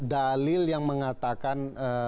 dalil yang mengatakan